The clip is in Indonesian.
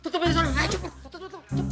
tutup aja ayo cepet